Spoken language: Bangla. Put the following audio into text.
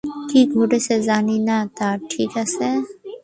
কীভাবে ঘটেছে জানি না তা, ঠিক আছে?